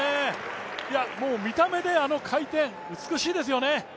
見た目であの回転、美しいですよね。